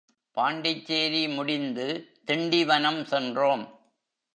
பாண்டிச்சேரி முடிந்து திண்டிவனம் சென்றோம்.